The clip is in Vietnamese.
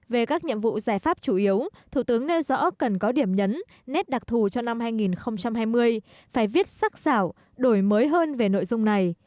về các nhiệm vụ giải pháp chủ yếu thủ tướng nêu rõ cần có điểm nhấn nét đặc thù cho năm hai nghìn hai mươi phải viết sắc xảo đổi mới hơn về nội dung này